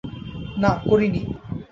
না, করিনি।